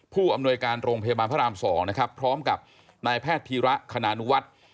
ผู้อำนวยการโรงพยาบาลพระราม๒นะครับพร้อมกับนายแพทย์พีระคณานุวัฒน์